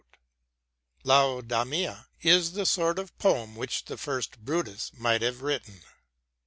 Laodamia " is the sort of poem which the first Brutus might have written.